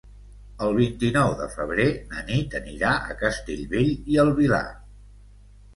El vint-i-nou de febrer na Nit anirà a Castellbell i el Vilar.